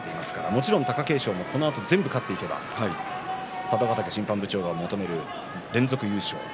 もちろん貴景勝もこのあと全部勝てば佐渡ヶ嶽審判部長が求める連続優勝